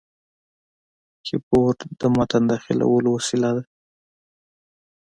کیبورډ د متن داخلولو وسیله ده.